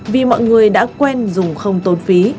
vì mọi người đã quen dùng không tốn phí